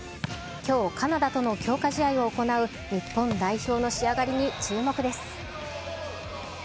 きょう、カナダとの強化試合を行う日本代表の仕上がりに注目です。